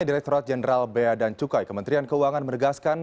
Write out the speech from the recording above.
direkturat jenderal beya dan cukai kementerian keuangan meregaskan